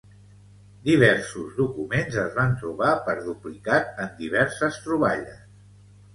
Diversos documents es van trobar per duplicat en diverses troballes.